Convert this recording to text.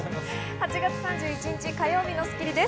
８月３１日、火曜日の『スッキリ』です。